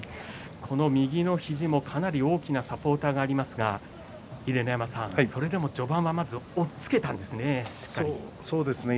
右の肘も大きなサポーターがありますが秀ノ山さん、それでも序盤はまず押っつけたんですね